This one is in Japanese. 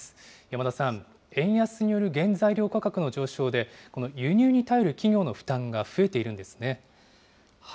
山田さん、円安による原材料価格の上昇で、この輸入に頼る企業の負担が増えているんですね。